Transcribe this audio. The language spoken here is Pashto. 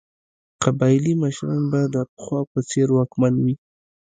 قبایلي مشران به د پخوا په څېر واکمن وي.